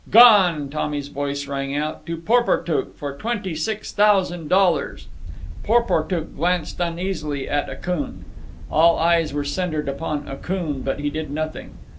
"Gone!" Tommy's voice rang out. "To Porportuk, for twenty six thousand dollars." Porportuk glanced uneasily at Akoon. All eyes were centred upon Akoon, but he did nothing.